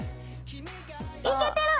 いけてる！